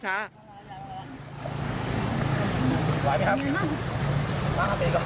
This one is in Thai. สบายไหมครับล้างอาตรีก่อน